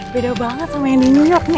beda banget sama yang di new york nih